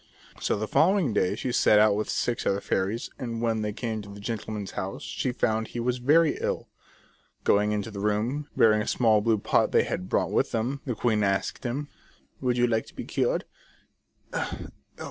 So the following day she set out with six other fairies, and when they came to the gentleman's house she found he was very ill. Going into the room, bearing a small blue pot they had brought with them, the queen asked him :" Would you like to be cured